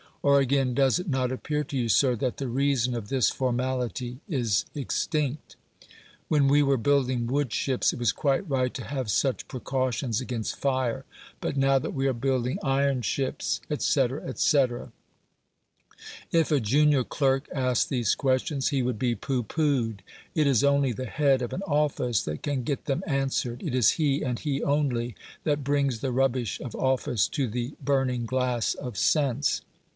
Or, again, "Does it not appear to you, Sir, that the reason of this formality is extinct? When we were building wood ships, it was quite right to have such precautions against fire; but now that we are building iron ships," etc., etc. If a junior clerk asked these questions, he would be "pooh poohed!" It is only the head of an office that can get them answered. It is he, and he only, that brings the rubbish of office to the burning glass of sense.